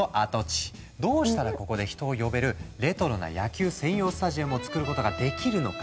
どうしたらここで人を呼べるレトロな野球専用スタジアムを作ることができるのか？